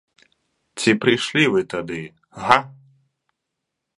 Ці прыйшлі вы тады, га?